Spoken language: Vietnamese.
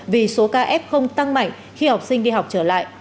vì số ca f không tăng mạnh khi học sinh đi học trở lại